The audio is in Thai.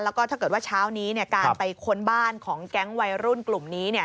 แล้วก็ถ้าเกิดว่าเช้านี้การไปค้นบ้านของแก๊งวัยรุ่นกลุ่มนี้